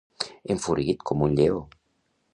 Enfurit com un lleó.